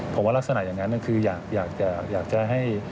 ผมว่ารักษณะอย่างนั้นคืออยากจะให้